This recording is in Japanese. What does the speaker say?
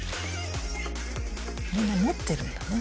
みんな持ってるんだね。